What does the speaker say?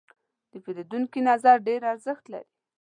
د پیرودونکي نظر ډېر ارزښت لري.